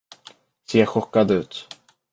Se chockad ut.